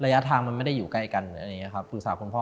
ระยะทางมันไม่ได้อยู่ใกล้กันอะไรอย่างนี้ครับปรึกษาคุณพ่อ